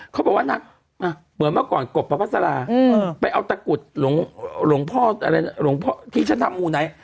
เขาบอกว่านะเหมือนเมื่อก่อนกบพระพัสราไปเอาตะกุฎหลงพ่อที่ฉันทำมูลไหน